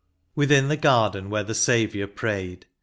Within the garden where the Saviour prayed.